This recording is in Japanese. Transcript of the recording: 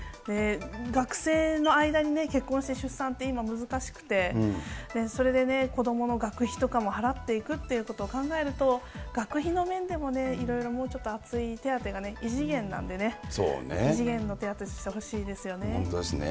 学生の間に結婚して出産って今難しくて、それでね、子どもの学費とかも払っていくっていうことを考えると、学費の面でもね、いろいろもうちょっと厚い手当が、異次元なんでね、本当ですね。